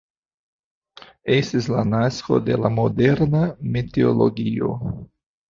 Estis la nasko de la moderna meteologio.